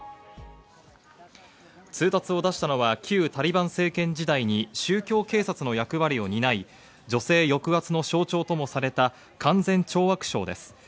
通達を出したのは旧タリバン政権時代に宗教警察の役割を担い、女性抑圧の象徴ともされた勧善懲悪省です。